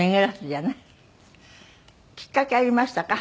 きっかけありましたか？